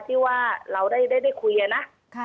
ที่ว่าเราได้คุยนะ